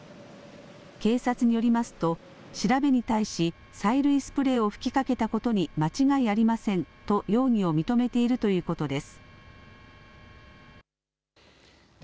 警察によりますと調べに対し催涙スプレーを吹きかけたことに間違いありませんと容疑を認めているということです。